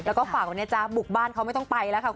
แล้วก็ฝากไว้นะจ๊ะบุกบ้านเขาไม่ต้องไปแล้วค่ะ